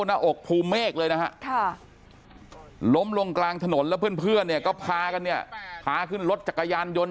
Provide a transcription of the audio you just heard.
หน้าอกภูเมฆเลยนะฮะล้มลงกลางถนนแล้วเพื่อนเนี่ยก็พากันเนี่ยพาขึ้นรถจักรยานยนต์